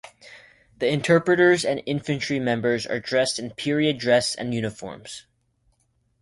The interpreters and infantry members are dressed in period dress and uniforms.